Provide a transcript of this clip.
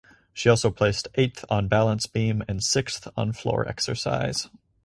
She also placed eighth on balance beam and sixth on floor exercise.